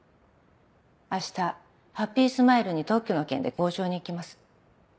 あしたハッピースマイルに特許の件で交渉に行きます。